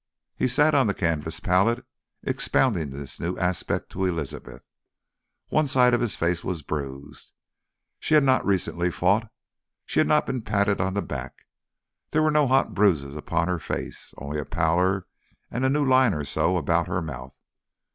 He sat on the canvas pallet expounding this new aspect to Elizabeth. One side of his face was bruised. She had not recently fought, she had not been patted on the back, there were no hot bruises upon her face, only a pallor and a new line or so about the mouth.